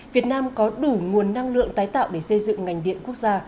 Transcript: việt nam có đủ nguồn năng lượng tái tạo để xây dựng ngành điện quốc gia